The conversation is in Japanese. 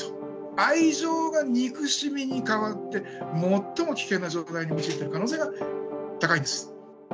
愛情が憎しみに変わって、最も危険な状態に陥っている可能性が高いんです。